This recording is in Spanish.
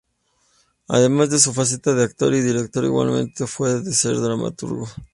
Además de su faceta de actor y director, igualmente fue dramaturgo.